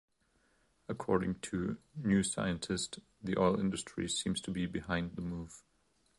According to "New Scientist", "The oil industry seems to be behind the move.